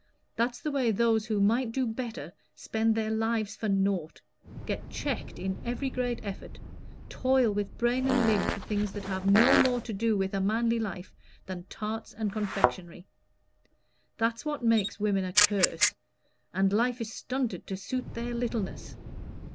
That's the way those who might do better spend their lives for nought get checked in every great effort toil with brain and limb for things that have no more to do with a manly life than tarts and confectionery. That's what makes women a curse; and life is stunted to suit their littleness.